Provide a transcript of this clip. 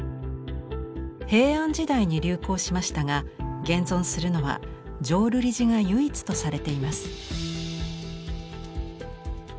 平安時代に流行しましたが現存するのは浄瑠璃寺が唯一とされています。